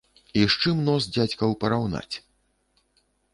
І з чым нос дзядзькаў параўнаць.